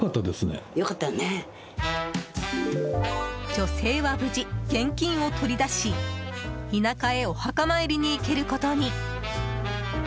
女性は無事、現金を取り出し田舎へお墓参りに行けることに。